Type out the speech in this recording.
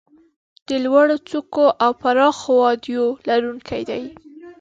د لوړو څوکو او پراخو وادیو لرونکي دي.